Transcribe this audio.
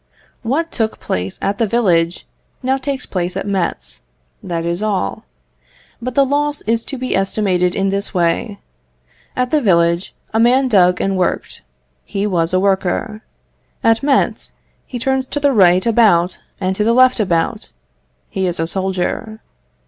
What took place at the village, now takes place at Metz, that is all. But the loss is to be estimated in this way: At the village, a man dug and worked; he was a worker. At Metz, he turns to the right about and to the left about; he is a soldier.